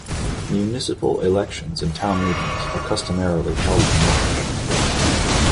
Municipal elections and Town Meetings are customarily held in March.